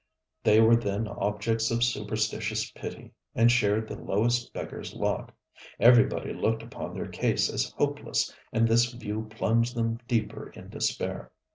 They were then objects of superstitious pity, and shared the lowest beggarŌĆÖs lot. Everybody looked upon their case as hopeless, and this view plunged them deeper in despair.